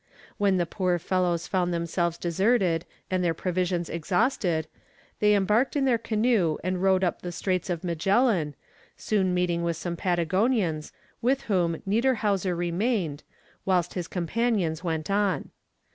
When the poor fellows found themselves deserted and their provisions exhausted, they embarked in their canoe and rowed up the Straits of Magellan, soon meeting with some Patagonians, with whom Niederhauser remained, whilst his companions went on.